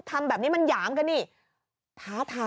ทำแบบนี้มันหยามกันอีก